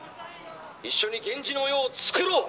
一緒に源氏の世をつくろう！」。